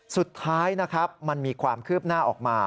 สุดท้ายนะครับมันมีความคืบหน้าออกมา